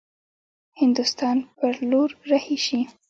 هندوستان پر لور رهي شي.